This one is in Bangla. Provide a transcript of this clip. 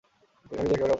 আমি যে একেবারে অপ্রস্তুত।